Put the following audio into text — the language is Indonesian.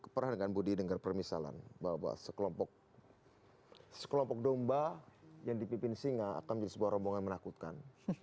pernah dengan budi dengar permisalan bahwa sekelompok domba yang dipimpin singa akan menjadi sebuah rombongan menakutkan